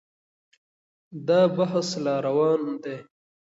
دا بحث لا روان دی.